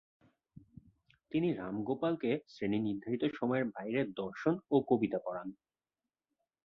তিনি রামগোপালকে শ্রেণীর নির্ধারিত সময়ের বাইরে দর্শন ও কবিতা পড়ান।